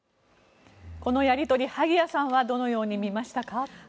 このやり取り、萩谷さんはどのように見ましたか？